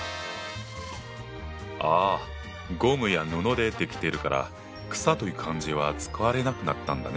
ああゴムや布で出来ているから「草」という漢字は使われなくなったんだね。